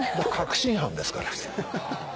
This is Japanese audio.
確信犯ですから。